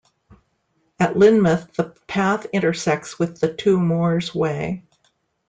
At Lynmouth the path intersects with the Two Moors Way.